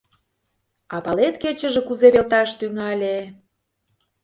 — А палет, кечыже кузе пелташ тӱҥале!